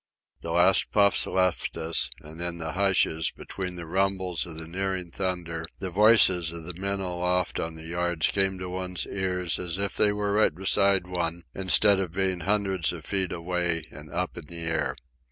The last puffs left us, and in the hushes, between the rumbles of the nearing thunder, the voices of the men aloft on the yards came to one's ear as if they were right beside one instead of being hundreds of feet away and up in the air.